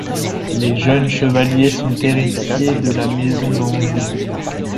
Les jeunes chevaliers sont héritiers de la maison d'Anjou.